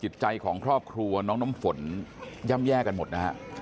จิตใจของครอบครัวน้องน้ำฝนย่ำแย่กันหมดนะฮะ